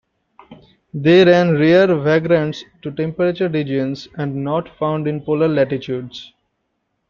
They are rare vagrants to temperate regions and not found in polar latitudes.